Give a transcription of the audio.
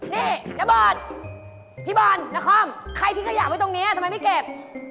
นี่นบอลพี่บอลนครใครทิ้งขยะไว้ตรงนี้ทำไมไม่เก็บ